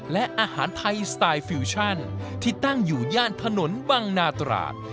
และอาหารไทยสไตล์ฟิวชั่นที่ตั้งอยู่ย่านถนนวังนาตราด